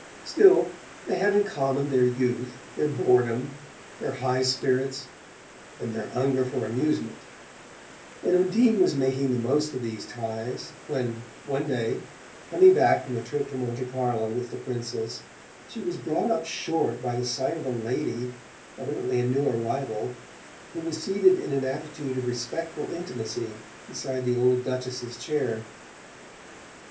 Still, they had in common their youth, their boredom, their high spirits and their hunger for amusement; and Undine was making the most of these ties when one day, coming back from a trip to Monte Carlo with the Princess, she was brought up short by the sight of a lady evidently a new arrival who was seated in an attitude of respectful intimacy beside the old Duchess's chair.